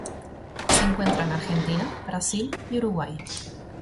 Se encuentra en Argentina, Brasil y Uruguay.